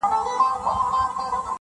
• هغه ژړ مازیګری دی هغه ډلي د زلمیو -